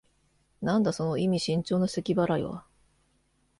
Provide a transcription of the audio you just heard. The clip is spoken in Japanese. なんだ、その意味深長なせき払いは。